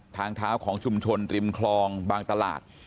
ทางเท้าของชุมชนริมคลองบางตลาด